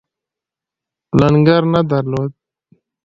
لنګر نه درلود.